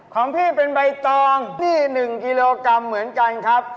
ของพี่เป็นใบตองนี่๑กิโลกรัมเหมือนกันครับ